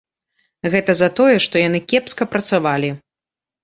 Гэта за тое, што яны кепска працавалі.